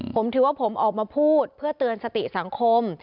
ผมถือว่าผมออกมาพูดเพื่อเตือนสติสังคม